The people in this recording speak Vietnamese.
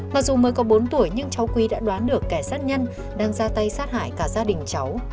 mặc dù mới có bốn tuổi nhưng cháu quy đã đoán được kẻ sát nhân đang ra tay sát hại cả gia đình cháu